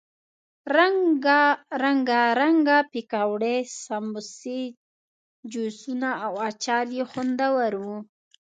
رنګه رنګه پکوړې، سموسې، جوسونه او اچار یې خوندور وو.